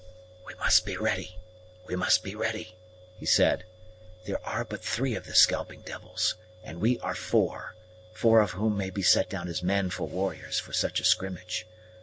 "We must be ready, we must be ready," he said. "There are but three of the scalping devils, and we are five, four of whom may be set down as manful warriors for such a skrimmage.